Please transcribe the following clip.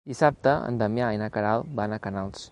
Dissabte en Damià i na Queralt van a Canals.